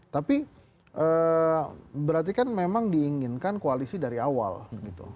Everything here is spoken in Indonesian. tapi berarti kan memang diinginkan koalisi dari awal gitu